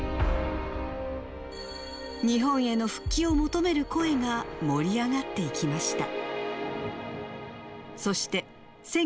日本への復帰を求める声が盛り上がっていきました。